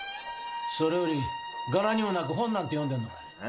それより柄にもなく本なんて読んでんのかい？